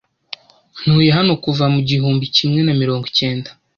Ntuye hano kuva mu gihumbi kimwe na mirongo ikenda.